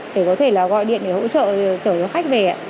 để có thể gọi điện để hỗ trợ chở cho khách về